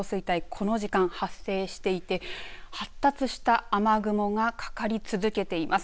この時間、発生していて発達した雨雲がかかり続けています。